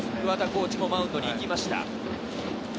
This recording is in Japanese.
コーチがマウンドに行きました。